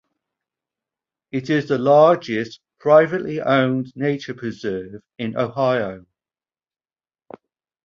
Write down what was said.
It is the largest privately owned nature preserve in Ohio.